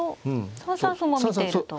３三歩も見ていると。